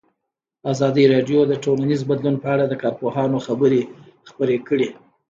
ازادي راډیو د ټولنیز بدلون په اړه د کارپوهانو خبرې خپرې کړي.